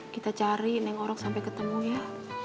kita cari neng orang sampai ketemu ya